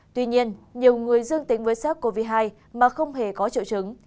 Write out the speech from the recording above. tuy nhiên nhiều người dương tính với sars cov hai mà không hề có triệu chứng